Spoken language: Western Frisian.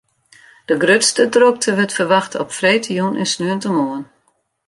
De grutste drokte wurdt ferwachte op freedtejûn en sneontemoarn.